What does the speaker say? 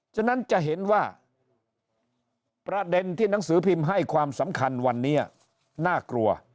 ฉะนั้นจะเห็นว่าประเด็นที่หนังสือพิมพ์ให้ความสำคัญวันนี้น่ากลัว